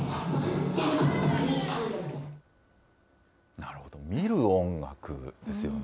なるほど、見る音楽ですよね。